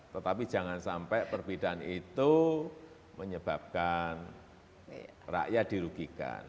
tetapi jangan sampai perbedaan itu menyebabkan rakyat dirugikan